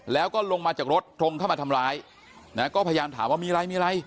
แล้วก็ลงมาจากรถตรงเข้ามาทำร้ายนะก็พยายามถามว่ามีอะไรมีอะไร